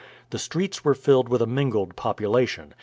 The streets were filled with a mingled population.